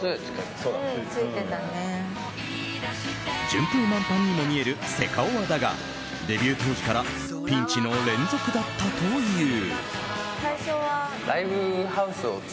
順風満帆にも見えるセカオワだがデビュー当時からピンチの連続だったという。